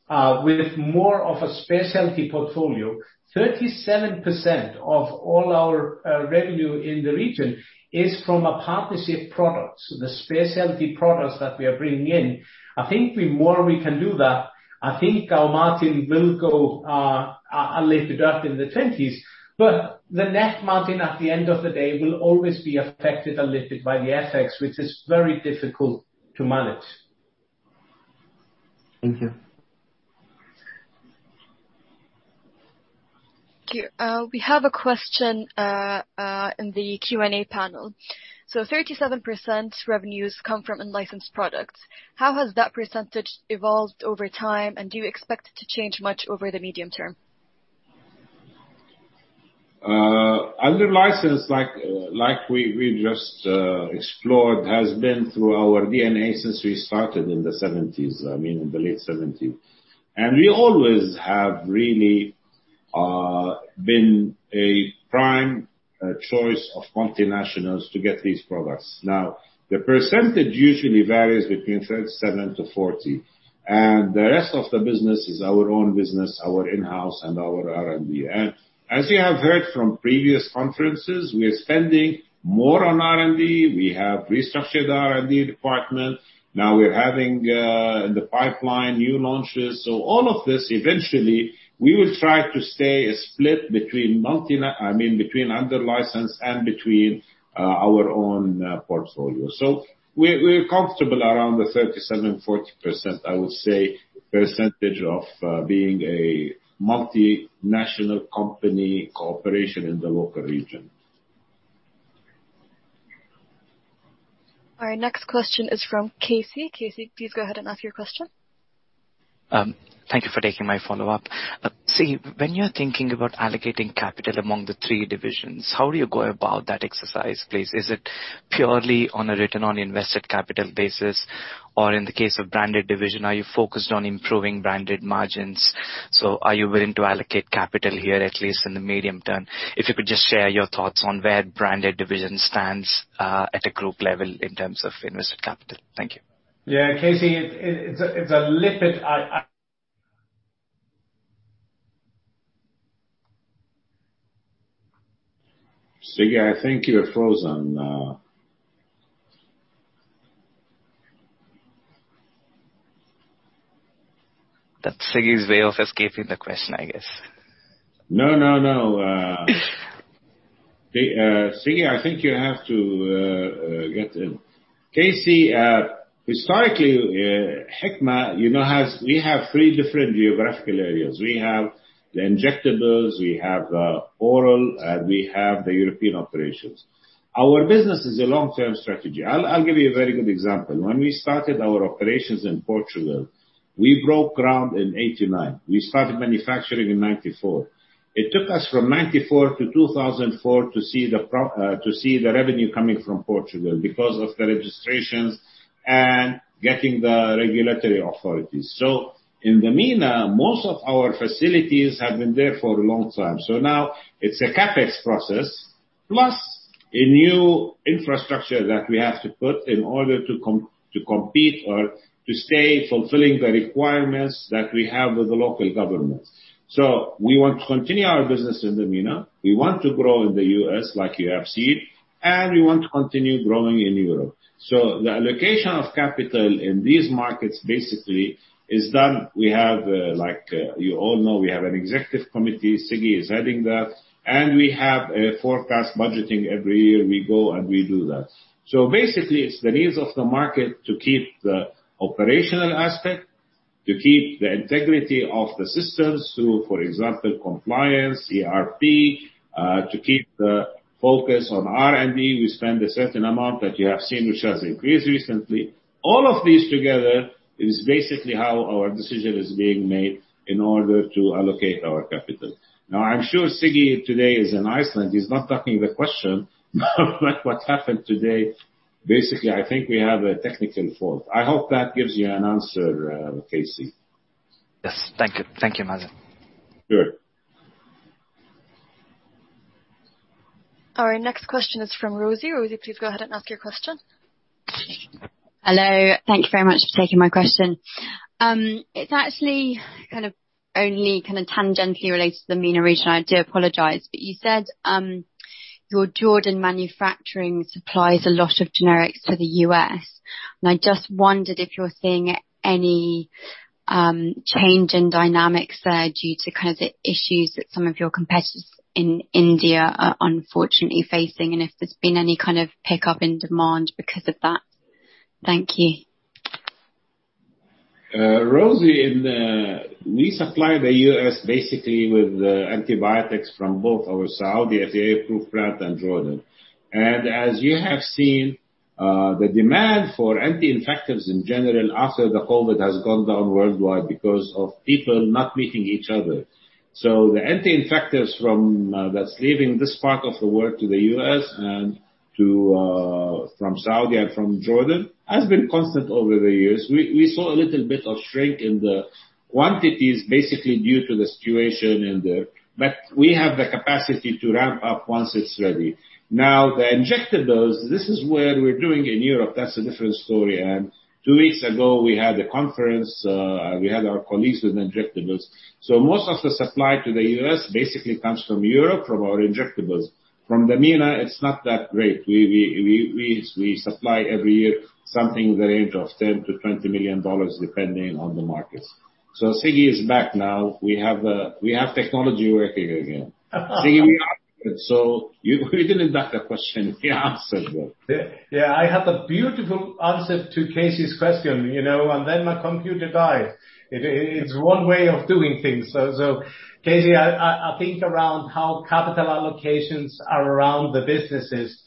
with more of a specialty portfolio, 37% of all our revenue in the region is from a partnership products, the specialty products that we are bringing in. I think the more we can do that, I think our margin will go a little bit up in the 20s. But the net margin, at the end of the day, will always be affected a little bit by the FX, which is very difficult to manage. Thank you. We have a question in the Q&A panel. So 37% revenues come from unlicensed products. How has that percentage evolved over time, and do you expect it to change much over the medium term? Like we just explored, has been through our DNA since we started in the seventies, I mean, in the late seventies. And we always have really been a prime choice of multinationals to get these products. Now, the percentage usually varies between 37%-40%, and the rest of the business is our own business, our in-house and our R&D. And as you have heard from previous conferences, we are spending more on R&D. We have restructured the R&D department. Now we're having in the pipeline new launches. So all of this, eventually, we will try to stay a split between multi-na-- I mean, between under license and between our own portfolio. So we're comfortable around the 37-40%, I would say, percentage of being a multinational company cooperation in the local region.... All right, next question is from Casey. Casey, please go ahead and ask your question. Thank you for taking my follow-up. See, when you're thinking about allocating capital among the three divisions, how do you go about that exercise, please? Is it purely on a return on invested capital basis, or in the case of branded division, are you focused on improving branded margins? So are you willing to allocate capital here, at least in the medium term? If you could just share your thoughts on where branded division stands, at a group level in terms of invested capital. Thank you. Yeah, KC, it's a little bit... Siggi, I think you're frozen. That's Siggi's way of escaping the question, I guess. No, no, no. Siggi, I think you have to get in. Casey, historically, Hikma, you know, has - we have three different geographical areas. We have the injectables, we have oral, and we have the European operations. Our business is a long-term strategy. I'll, I'll give you a very good example. When we started our operations in Portugal, we broke ground in 1989. We started manufacturing in 1994. It took us from 1994 to 2004 to see the revenue coming from Portugal because of the registrations and getting the regulatory authorities. So in the MENA, most of our facilities have been there for a long time. So now it's a CapEx process, plus a new infrastructure that we have to put in order to compete or to stay fulfilling the requirements that we have with the local government. So we want to continue our business in the MENA. We want to grow in the US, like you have seen, and we want to continue growing in Europe. So the allocation of capital in these markets basically is done. We have, like, you all know, we have an executive committee. Siggi is heading that, and we have a forecast budgeting every year. We go and we do that. So basically, it's the needs of the market to keep the operational aspect, to keep the integrity of the systems. So, for example, compliance, ERP, to keep the focus on R&D, we spend a certain amount that you have seen, which has increased recently. All of these together is basically how our decision is being made in order to allocate our capital. Now, I'm sure Siggi today is in Iceland. He's not ducking the question, but what happened today, basically, I think we have a technical fault. I hope that gives you an answer, Casey. Yes. Thank you. Thank you, Mazen. Sure. All right. Next question is from Rosie. Rosie, please go ahead and ask your question. Hello. Thank you very much for taking my question. It's actually kind of only kind of tangentially related to the MENA region. I do apologize, but you said your Jordan manufacturing supplies a lot of generics to the U.S., and I just wondered if you're seeing any change in dynamics there due to kind of the issues that some of your competitors in India are unfortunately facing, and if there's been any kind of pickup in demand because of that. Thank you. Rosie, we supply the U.S. basically with antibiotics from both our Saudi FDA-approved plant and Jordan. And as you have seen, the demand for anti-infectives in general after the COVID has gone down worldwide because of people not meeting each other. So the anti-infectives from, that's leaving this part of the world to the U.S. and to, from Saudi and from Jordan, has been constant over the years. We saw a little bit of shrink in the quantities, basically due to the situation in there, but we have the capacity to ramp up once it's ready. Now, the injectables, this is where we're doing in Europe. That's a different story, and two weeks ago, we had a conference. We had our colleagues with injectables. So most of the supply to the U.S. basically comes from Europe, from our injectables. From the MENA, it's not that great. We supply every year something in the range of $10 million-$20 million, depending on the markets. So Siggi is back now. We have technology working again. Siggi, so you didn't duck the question. He answered it. Yeah. I had a beautiful answer to Casey's question, you know, and then my computer died. It, it's one way of doing things. So, Casey, I think around how capital allocations are around the businesses.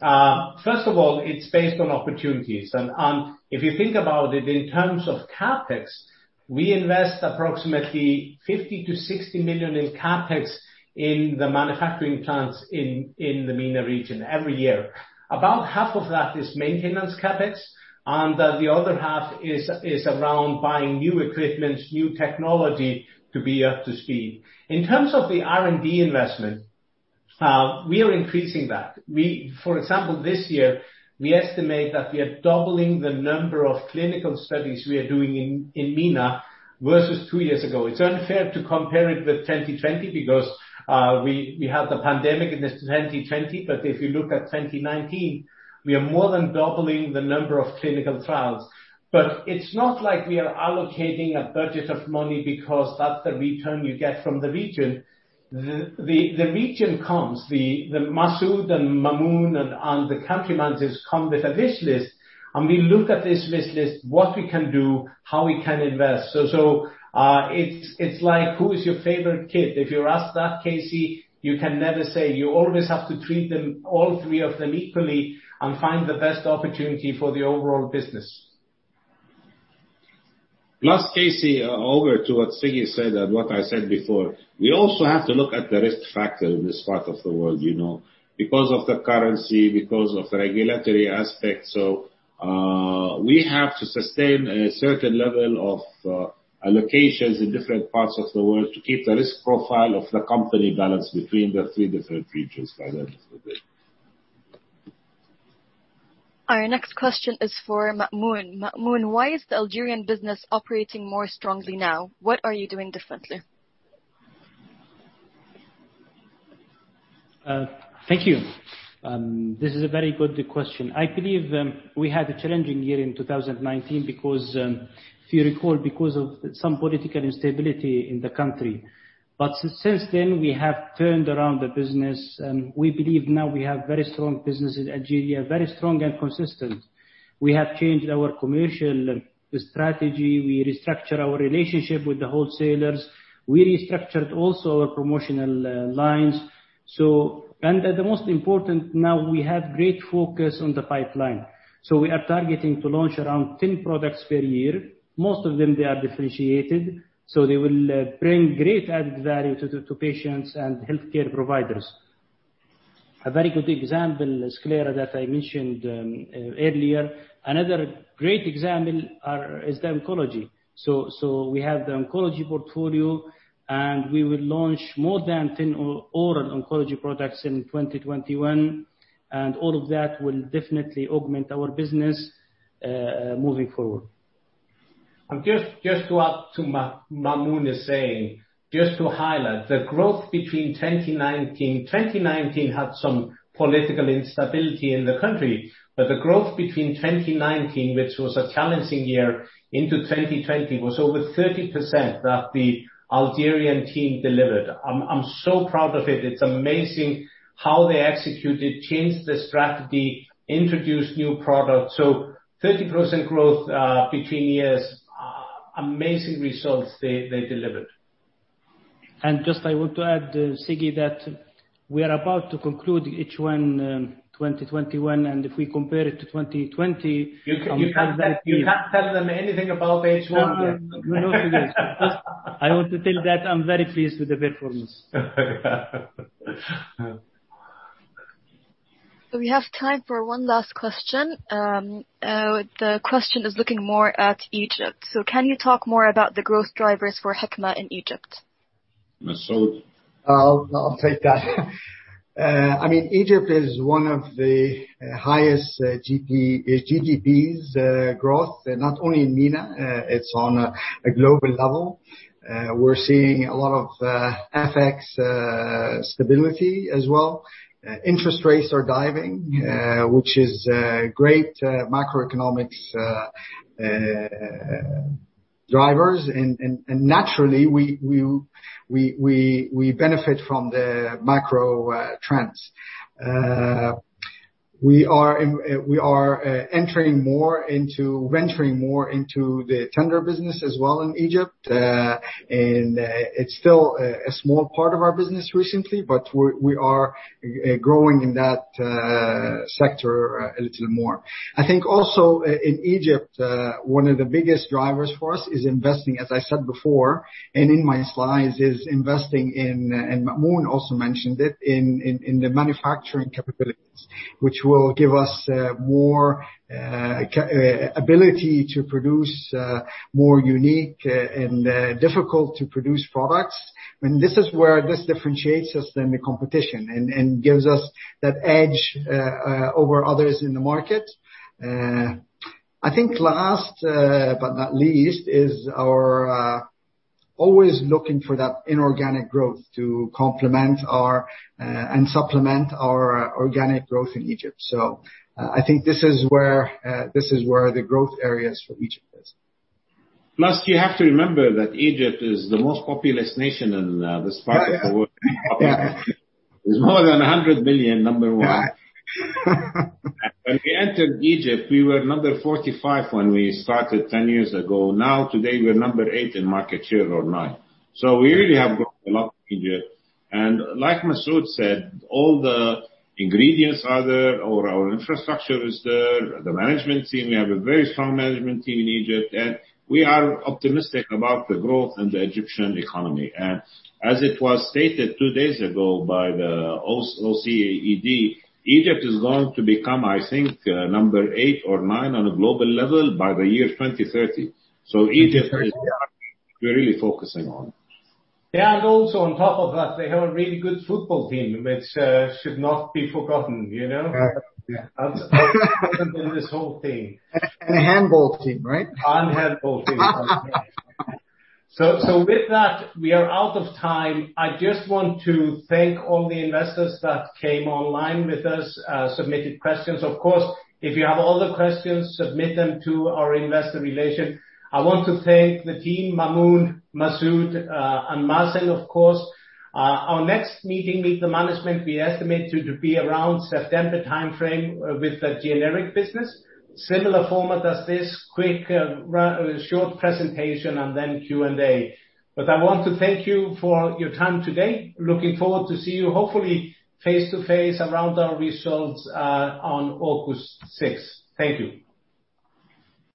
First of all, it's based on opportunities, and if you think about it in terms of CapEx, we invest approximately $50 million-$60 million in CapEx in the manufacturing plants in the MENA region every year. About half of that is maintenance CapEx, and the other half is around buying new equipment, new technology to be up to speed. In terms of the R&D investment, we are increasing that. We... For example, this year, we estimate that we are doubling the number of clinical studies we are doing in MENA versus two years ago. It's unfair to compare it with 2020 because we, we had the pandemic in this 2020, but if you look at 2019, we are more than doubling the number of clinical trials. But it's not like we are allocating a budget of money because that's the return you get from the region. The region comes, the Masood and Mamoun and the country managers come with a wish list, and we look at this wish list, what we can do, how we can invest. So it's like: Who is your favorite kid? If you're asked that, Casey, you can never say. You always have to treat them, all three of them, equally and find the best opportunity for the overall business. Plus, Casey, over to what Siggi said and what I said before, we also have to look at the risk factor in this part of the world, you know, because of the currency, because of regulatory aspects. So, we have to sustain a certain level of allocations in different parts of the world to keep the risk profile of the company balanced between the three different regions, by the way. Our next question is for Mamoun. Mamoun, why is the Algerian business operating more strongly now? What are you doing differently? Thank you. This is a very good question. I believe, we had a challenging year in 2019 because, if you recall, because of some political instability in the country. But since then, we have turned around the business, and we believe now we have very strong business in Algeria, very strong and consistent. We have changed our commercial strategy, we restructure our relationship with the wholesalers, we restructured also our promotional lines. And the, the most important, now we have great focus on the pipeline. So we are targeting to launch around 10 products per year. Most of them, they are differentiated, so they will bring great added value to the, to patients and healthcare providers. A very good example is Skilara that I mentioned earlier. Another great example are, is the oncology. We have the oncology portfolio, and we will launch more than 10 oral oncology products in 2021, and all of that will definitely augment our business moving forward. And just to add to what Mamoun is saying, just to highlight, the growth between 2019... 2019 had some political instability in the country, but the growth between 2019, which was a challenging year, into 2020, was over 30% that the Algerian team delivered. I'm so proud of it. It's amazing how they executed, changed the strategy, introduced new products. So 30% growth between years, amazing results they delivered. And just I want to add, Siggi, that we are about to conclude H1, 2021, and if we compare it to 2020- You can, you can't tell, you can't tell them anything about H1. No, no. I want to tell that I'm very pleased with the performance. We have time for one last question. The question is looking more at Egypt. Can you talk more about the growth drivers for Hikma in Egypt? Masoud? I'll take that. I mean, Egypt is one of the highest GDP growth, not only in MENA, it's on a global level. We're seeing a lot of FX stability as well. Interest rates are diving, which is great, macroeconomic drivers. And naturally, we benefit from the macro trends. We are venturing more into the tender business as well in Egypt. And it's still a small part of our business recently, but we are growing in that sector a little more. I think also in Egypt, one of the biggest drivers for us is investing, as I said before, and in my slides, is investing in, and Mamoun also mentioned it, in, in, in the manufacturing capabilities, which will give us more capacity to produce more unique and difficult to produce products. And this is where this differentiates us than the competition and gives us that edge over others in the market. I think last, but not least, is our always looking for that inorganic growth to complement our and supplement our organic growth in Egypt. So, I think this is where this is where the growth areas for Egypt is. Plus, you have to remember that Egypt is the most populous nation in this part of the world. Yeah. There's more than 100 million, number one. Yeah. When we entered Egypt, we were number 45 when we started 10 years ago. Now, today, we are number 8 in market share or 9. So we really have grown a lot in Egypt. And like Masood said, all the ingredients are there, all our infrastructure is there, the management team, we have a very strong management team in Egypt, and we are optimistic about the growth in the Egyptian economy. And as it was stated 2 days ago by the OECD, Egypt is going to become, I think, number 8 or 9 on a global level by the year 2030. So Egypt is, we are really focusing on. Yeah, and also on top of that, they have a really good football team, which should not be forgotten, you know. Yeah. And in this whole thing. A handball team, right? Handball team. So, so with that, we are out of time. I just want to thank all the investors that came online with us, submitted questions. Of course, if you have other questions, submit them to our investor relation. I want to thank the team, Mamoun, Masood, and Mazen, of course. Our next meeting with the management, we estimate to be around September timeframe, with the generic business. Similar format as this, quick, short presentation and then Q&A. But I want to thank you for your time today. Looking forward to see you hopefully face-to-face around our results, on August sixth. Thank you.